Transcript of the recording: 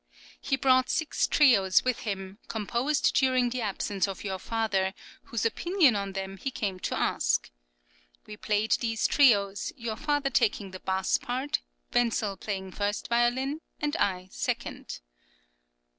He brought six trios with him, composed during the absence of your father, whose opinion on them he came to ask. We played these trios, your father taking the bass part, Wentzl playing first violin, and I second.